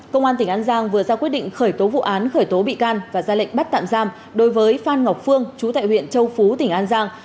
công an tỉnh an giang vừa ra quyết định khởi tố vụ án khởi tố bị can và ra lệnh bắt tạm giam đối với phan ngọc phương chú tại huyện châu phú tỉnh an giang